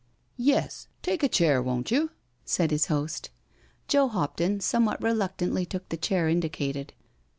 " Yes, take a chair, won't you?" said his host. Joe Hopton somewhat reluctantly took the chair indicated.